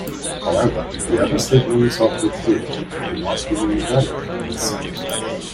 However, the other statements of the theorem do not remain valid in this setting.